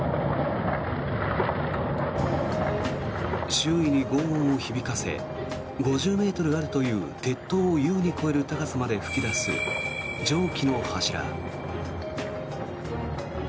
周囲にごう音を響かせ５０ｍあるという鉄塔を優に超える高さまで噴き出す蒸気の柱。